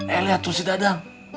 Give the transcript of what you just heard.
eh lihat tuh si dadang